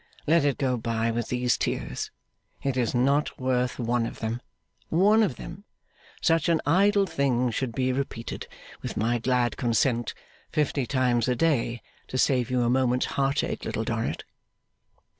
Let it go by with these tears. It is not worth one of them. One of them? Such an idle thing should be repeated, with my glad consent, fifty times a day, to save you a moment's heart ache, Little Dorrit.